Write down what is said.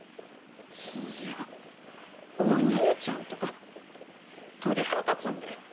いや「お兄ちゃん」とか鳥肌立つんで。